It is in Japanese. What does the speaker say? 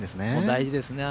大事ですね。